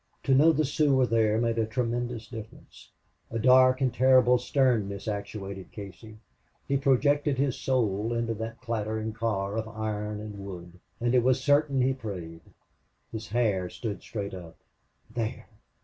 To know the Sioux were there made a tremendous difference. A dark and terrible sternness actuated Casey. He projected his soul into that clattering car of iron and wood. And it was certain he prayed. His hair stood straight up. There!